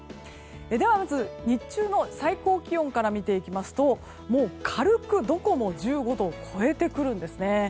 では、まず日中の最高気温から見ていきますともう軽く、どこも１５度を超えてくるんですね。